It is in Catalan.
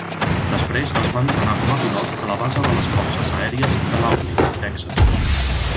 Després es va entrenar com a pilot a la Base de les Forces Aèries de Laughlin, Texas.